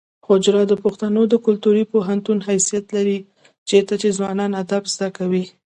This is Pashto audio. حجره د پښتنو د کلتوري پوهنتون حیثیت لري چیرته چې ځوانان ادب زده کوي.